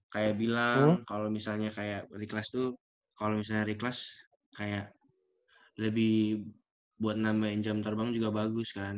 kayak bilang kalo misalnya kayak re class tuh kalo misalnya re class kayak lebih buat nambahin jam terbang juga bagus kan